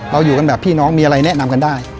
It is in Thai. อยู่กันแบบพี่น้องมีอะไรแนะนำกันได้